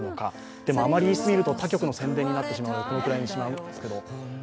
でもあまり言い過ぎると他局の宣伝になってしまうのでこのぐらいにしますが。